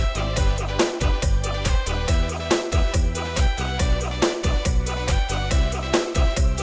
ไปไหนครับแป๊บเจ๊โอ้โหสับสับรสอะไรคะอันนี้คุณโคโครพีช